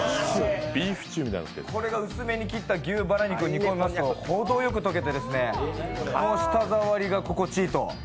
これが薄めに切った牛バラ肉を煮込みますと、ほどよく溶けて、もう舌触りが心地いいと。